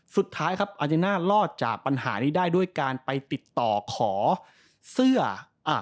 สุดท้ายครับอาเจน่ารอดจากปัญหานี้ได้ด้วยการไปติดต่อขอเสื้ออ่ะ